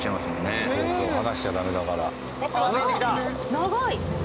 長い！